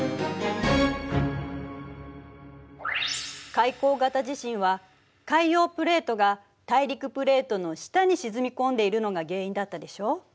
海溝型地震は海洋プレートが大陸プレートの下に沈み込んでいるのが原因だったでしょ。